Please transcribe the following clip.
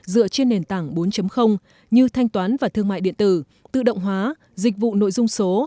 dựa trên nền tảng bốn như thanh toán và thương mại điện tử tự động hóa dịch vụ nội dung số